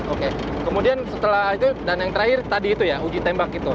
oke kemudian setelah itu dan yang terakhir tadi itu ya uji tembak gitu